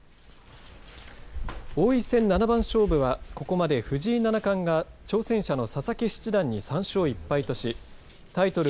王位戦七番勝負はここまで藤井七冠が挑戦者の佐々木七段に３勝１敗としタイトル